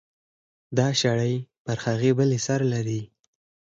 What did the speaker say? دا شړۍ پر هغې بلې سر لري.